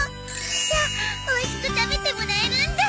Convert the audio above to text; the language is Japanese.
じゃあおいしく食べてもらえるんだ！